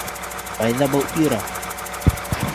Ҡайҙа был Ира?